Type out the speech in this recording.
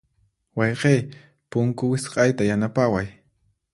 Wayqiy, punku wisq'ayta yanapaway.